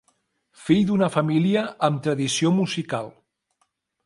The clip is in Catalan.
Fill d'una família amb tradició musical.